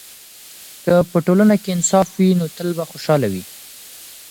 که په ټولنه کې انصاف وي، نو تل به خوشحاله وي.